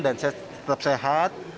dan saya tetap sehat